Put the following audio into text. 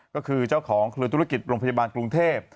ก็คือเจ้าของเครือธุรกิจโรงพยาบาลกรุงเทพ